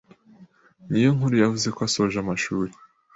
Niyonkuru yavuze ko asoje amashuri